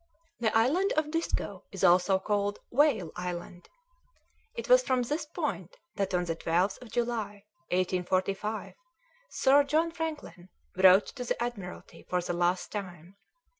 The Island of Disko is also called Whale Island. It was from this point that on the 12th of July, 1845, Sir John Franklin wrote to the Admiralty for the last time.